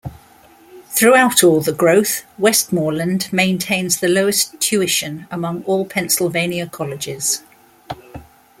Throughout all the growth, Westmoreland maintains the lowest tuition among all Pennsylvania colleges.